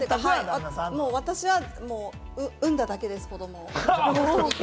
私は産んだだけです、子どもを。